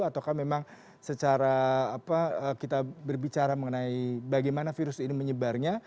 ataukah memang secara kita berbicara mengenai bagaimana virus ini menyebarnya